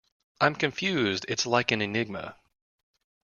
I'm confused it's like an enigma.